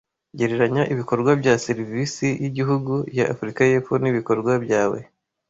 Gereranya ibikorwa bya serivisi yigihugu ya Afrika yepfo nibikorwa byawe